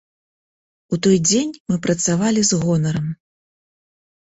У той дзень мы працавалі з гонарам.